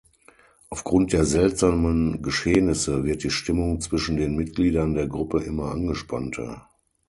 Aufgrund der seltsamen Geschehnisse wird die Stimmung zwischen den Mitgliedern der Gruppe immer angespannter.